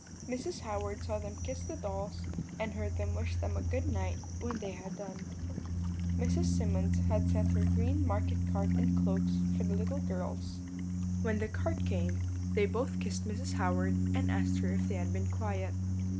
"Mrs. Howard saw them kiss the dolls, and heard them wish them a good night when they had done. "Mrs. Symonds had sent her green market cart and cloaks for her little girls. When the cart came they both kissed Mrs. Howard, and asked her if they had been quiet.